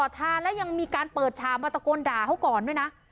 ทานแล้วยังมีการเปิดฉากมาตะโกนด่าเขาก่อนด้วยนะ